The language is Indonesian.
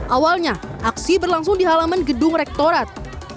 awalnya aksi berlangsung di halaman gedung rektorat